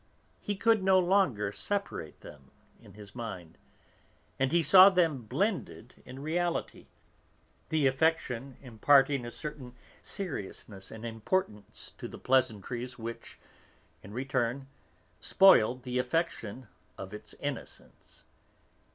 He could no longer separate them in his mind, and he saw them blended in reality, the affection imparting a certain seriousness and importance to the pleasantries which, in return, spoiled the affection of its innocence.